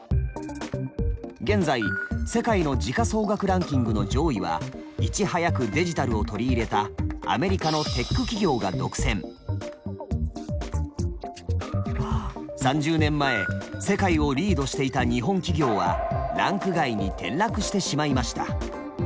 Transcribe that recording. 現在世界の時価総額ランキングの上位はいち早くデジタルを取り入れたアメリカの３０年前世界をリードしていた日本企業はランク外に転落してしまいました。